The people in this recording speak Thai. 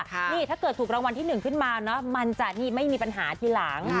นี่ถ้าเกิดถูกรางวัลที่๑ขึ้นมามันจะนี่ไม่มีปัญหาทีหลัง